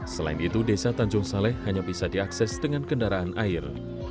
selain itu desa tanjung saleh hanya bisa diakses dengan kendaraan air